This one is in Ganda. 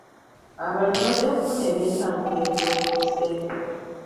Abantu bajja kufuna eby'entambula ebirongoseemu.